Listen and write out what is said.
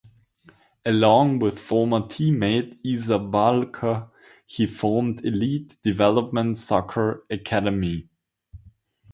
Along with former teammate Isa Bulku he formed Elite Development Soccer Academy.